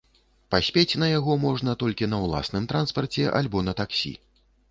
Паспець на яго можна толькі на ўласным транспарце альбо на таксі.